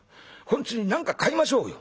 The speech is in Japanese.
ほんつに何か買いましょうよ。